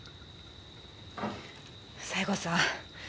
西郷さん